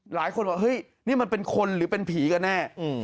หลายคนบอกเฮ้ยนี่มันเป็นคนหรือเป็นผีกันแน่